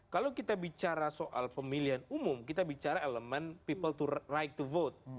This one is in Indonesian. kalau kita bicara soal pemilihan umum kita bicara elemen people to right to vote